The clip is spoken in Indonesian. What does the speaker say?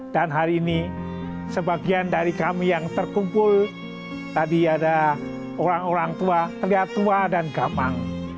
dan hari ini sebagian dari kami yang terkumpul tadi ada orang orang tua kriatua dan gamang